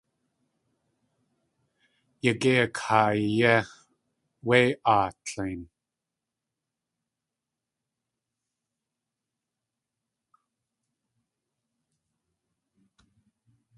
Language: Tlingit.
Yagéi a kaayí wé áa tlein.